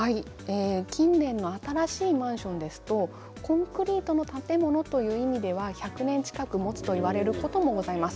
近年の新しいマンションですとコンクリートの建物という意味では１００年近くもつと言われることもございます。